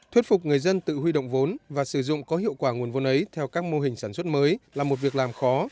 thuyết phục người dân tự huy động vốn và sử dụng có hiệu quả nguồn vốn ấy theo các mô hình sản xuất mới là một việc làm khó